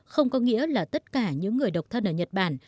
không có nghĩa là tất cả những người độc thân ở nhật bản